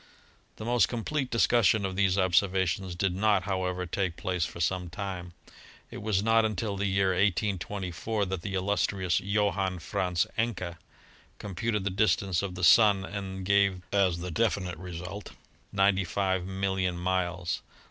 The most complete discussion of these observations did not, however, take place for some time. It was not until the year 1824 that the illustrious Johann Franz Encke computed the distance of the Sun and gave as the definite result 95,000,000 miles.